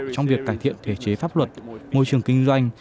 trong việc cải thiện thể chế pháp luật môi trường kinh doanh